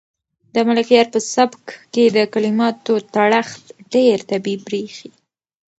د ملکیار په سبک کې د کلماتو تړښت ډېر طبیعي برېښي.